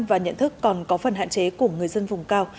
và nhận thức còn có phần hạn chế của người dân vùng cao